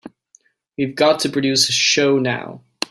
We've got to produce a show now.